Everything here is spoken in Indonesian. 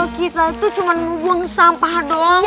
kita itu cuma mau buang sampah doang